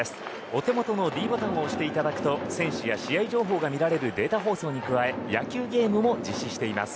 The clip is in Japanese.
お手元のｄボタンを押していただくと選手や試合情報が見られるデータ放送に加え野球ゲームも実施しています。